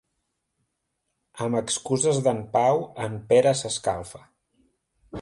Amb excuses d'en Pau, en Pere s'escalfa.